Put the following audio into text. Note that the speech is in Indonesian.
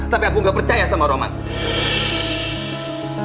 tapi aku nggak percaya sama roman